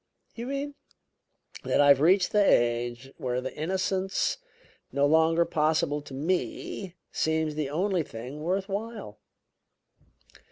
"You mean ?" "That I have reached the age where the innocence no longer possible to me seems the only thing worth while."